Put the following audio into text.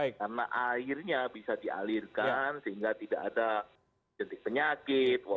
karena airnya bisa dialirkan sehingga tidak ada jenis penyakit